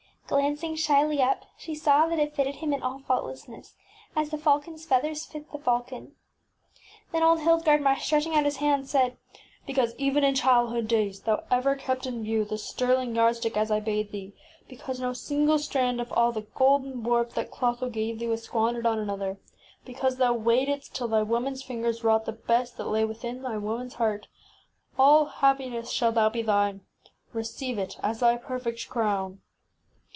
Glancing shyly up, she saw that it fitted him in all faultlessness, as the falconŌĆÖs feathers fit the falcon. Then old Hildgard mar, stretching out his hands, said, ŌĆśBecause even in childhood days thou ever kept in view the sterling yardstick as I bade thee, because no single strand of all the golden warp that Clotho gave thee was squandered on another, because thou waitedst till thy womanŌĆÖs fingers wrought the best that lay within thy womanŌĆÖs heart, all hap piness shall now be thine ! Receive it as thy perfect crown